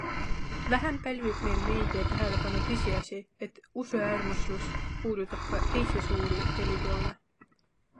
Vähem pälvib meil meedia tähelepanu tõsiasi, et usuäärmuslus puudutab ka teisi suuri religioone.